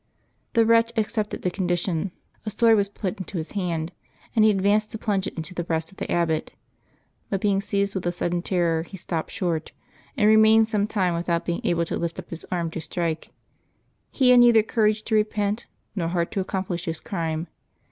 The wretch accepted the condition ; a sword was put into his hand, and he advanced to plunge it into the breast of the abbot. But being seized with a sudden terror, he stopped short, and remained some time without being able to lift up his arm to strike. He had neither courage to repent, nor heart to accomplish his crime.